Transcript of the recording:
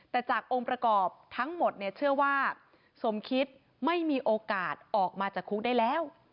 แต่จากองค์ประกอบทั้งหมดเนี่ยเชื่อว่าสมคิดไม่มีโอกาสออกมาจากคุกได้แล้ว